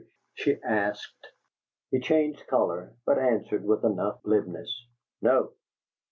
she asked. He changed color, but answered with enough glibness: "No."